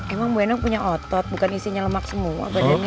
emang bu endang punya otot bukan isinya lemak semua